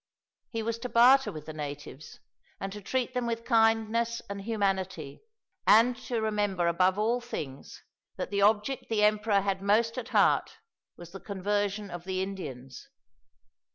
He was to barter with the natives, and to treat them with kindness and humanity, and to remember, above all things, that the object the emperor had most at heart was the conversion of the Indians.